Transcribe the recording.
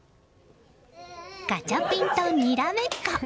ガチャピンとにらめっこ。